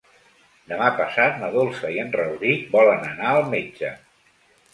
Demà passat na Dolça i en Rauric volen anar al metge.